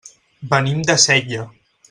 Venim de Sella.